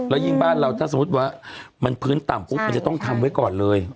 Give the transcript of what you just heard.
แล้วยิ่งบ้านเราถ้าสมมุติว่ามันพื้นต่ำปุ๊บมันจะต้องทำไว้ก่อนเลย